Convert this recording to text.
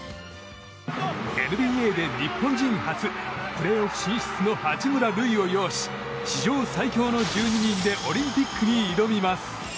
ＮＢＡで日本人初プレーオフ進出の八村塁を擁し史上最強の１２人でオリンピックに挑みます。